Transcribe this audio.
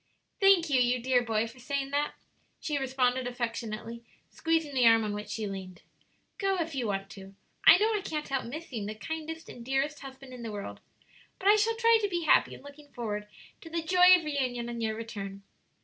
"Thank you, you dear boy, for saying that," she responded, affectionately, squeezing the arm on which she leaned; "go if you want to; I know I can't help missing the kindest and dearest husband in the world, but I shall try to be happy in looking forward to the joy of reunion on your return."